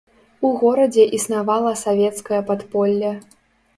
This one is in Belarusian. У горадзе існавала савецкае падполле.